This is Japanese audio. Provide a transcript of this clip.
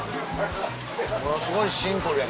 ものすごいシンプルや